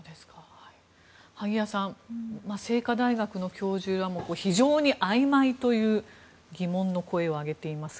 萩谷さん清華大学の教授らも非常にあいまいという疑問の声を上げていますが。